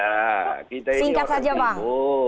singkat saja bang